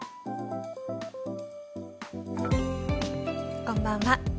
こんばんは。